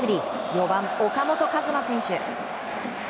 ４番、岡本和真選手。